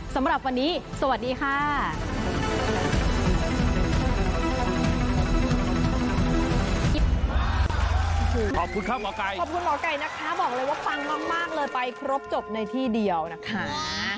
สำหรับวันนี้สวัสดีค่ะ